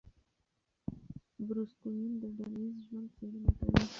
بروس کوئن د ډله ایز ژوند څېړنه کوي.